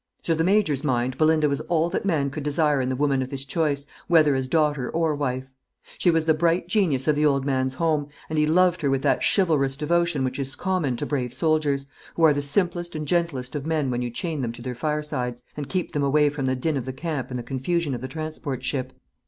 To the Major's mind Belinda was all that man could desire in the woman of his choice, whether as daughter or wife. She was the bright genius of the old man's home, and he loved her with that chivalrous devotion which is common to brave soldiers, who are the simplest and gentlest of men when you chain them to their firesides, and keep them away from the din of the camp and the confusion of the transport ship.